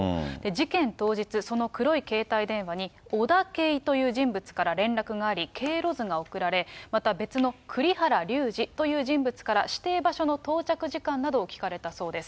事件当日、その黒い携帯電話に、オダケイという人物から連絡があり、経路図が送られ、また別のクリハラリュウジという人物から、指定場所の到着時間などを聞かれたそうです。